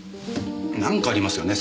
何かありますよね